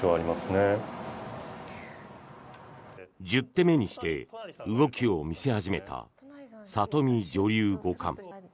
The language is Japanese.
１０手目にして動きを見せ始めた里見女流五冠。